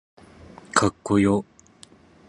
かっこよ